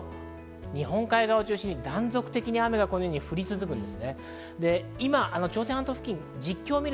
日本海側を中心に断続的に雨が降り続きます。